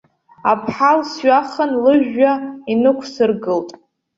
Аԥҳал сҩахан, лыжәҩа инықәсыргылт.